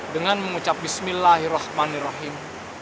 dengan mengucap bismillahirrahmanirrahim